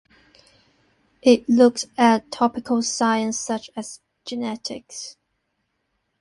It looked at topical science such as genetics.